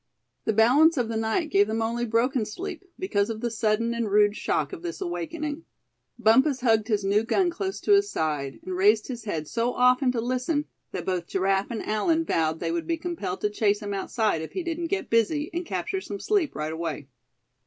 The balance of the night gave them only broken sleep; because of the sudden and rude shock of this awakening. Bumpus hugged his new gun close to his side; and raised his head so often to listen, that both Giraffe and Allan vowed they would be compelled to chase him outside if he didn't get busy, and capture some sleep right away.